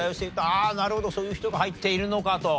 あっなるほどそういう人が入っているのかと。